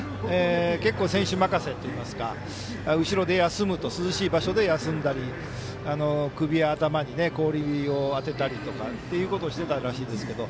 最初のうちは結構、選手任せといいますか後ろで休むと涼しい場所で休んだり首や頭に氷を当てたりしていたようですけど